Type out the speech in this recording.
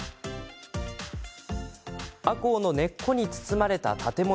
アコウの根っこに包まれた建物。